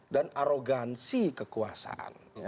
dan arogansi kekuasaan